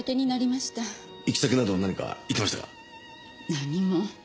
何も。